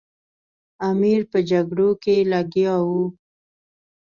امیر په جګړو کې لګیا وو.